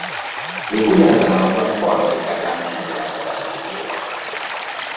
Még ugyanezen napon egy harmadik reklám is megjelent a televízióban.